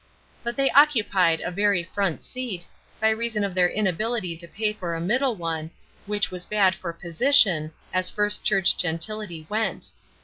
But they occupied a very front seat, by reason of their inability to pay for a middle one, which was bad for "position," as First Church gentility went.